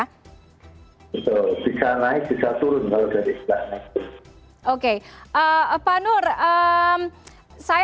betul bisa naik bisa turun kalau jadi